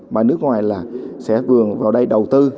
mà nước ngoài là sẽ vừa vào đây đầu tư